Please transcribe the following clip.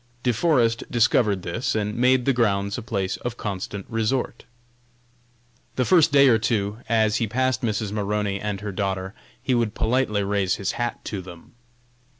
De Forest discovered this, and made the grounds a place of constant resort. The first day or two, as he passed Mrs. Maroney and her daughter, he would politely raise his hat to them.